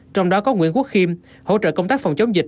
trong đó có nguyễn quốc khiêm hỗ trợ công tác phòng chống dịch